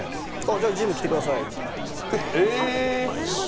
じゃあジム来てくださいって言って。